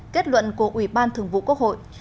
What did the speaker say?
kết luận của ủy ban thường vụ quốc hội